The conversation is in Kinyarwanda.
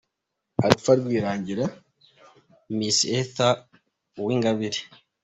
Alpha Rwirangira na Miss Esther Uwingabire.